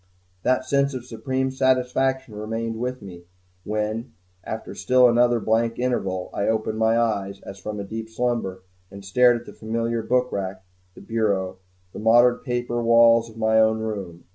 That sense of supreme satisfaction remained with me when, after still another blank interval, I opened my eyes as from a deep slumber, and stared at the familiar book rack, the bureau, the mottled paper walls of my own room.